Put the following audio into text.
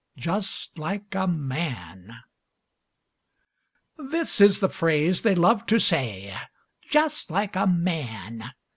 JUST LIKE A MAN This is the phrase they love to say: "Just like a man!"